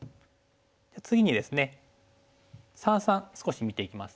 次にですね三々少し見ていきます。